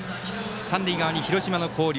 三塁側に、広島の広陵。